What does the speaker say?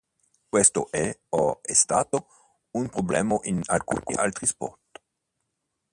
Questo è, o è stato, un problema in alcuni altri sport.